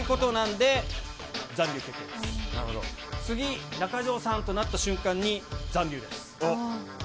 次、中条さんとなった瞬間に、残留です。